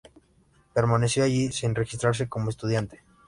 Permaneció allí, sin registrarse como estudiante.